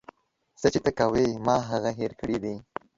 څه چې ته کوې ما هغه هير کړي دي.